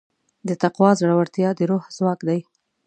د تقوی زړورتیا د روح ځواک دی.